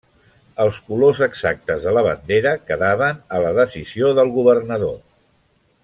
Els colors exactes de la bandera quedaven a la decisió del governador.